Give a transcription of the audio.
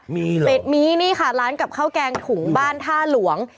มีเหรอเป็ดนี้นี่ค่ะร้านกับข้าวแกงถุงบ้านท่าหลวง